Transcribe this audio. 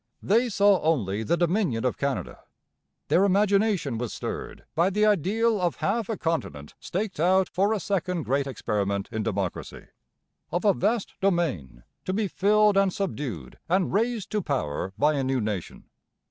They saw only the Dominion of Canada. Their imagination was stirred by the ideal of half a continent staked out for a second great experiment in democracy, of a vast domain to be filled and subdued and raised to power by a new nation.